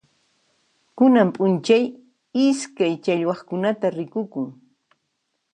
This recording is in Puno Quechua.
Kunan p'unchay iskay challwaqkunata rikukun.